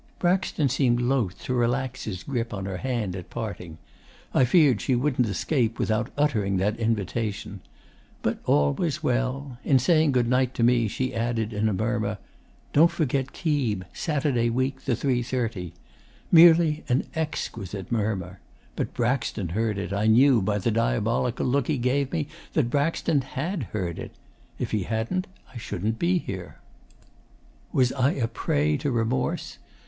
'Braxton seemed loth to relax his grip on her hand at parting. I feared she wouldn't escape without uttering that invitation. But all was well.... In saying good night to me, she added in a murmur, "Don't forget Keeb Saturday week the 3.30." Merely an exquisite murmur. But Braxton heard it. I knew, by the diabolical look he gave me, that Braxton had heard it.... If he hadn't, I shouldn't be here. 'Was I a prey to remorse?